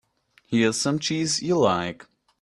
Here's some cheese you like.